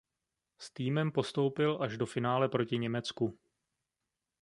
S týmem postoupil až do finále proti Německu.